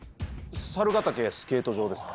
猿ケ岳スケート場ですか？